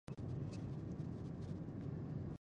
خلک فکر کوي چې زه خلک نه خوښوم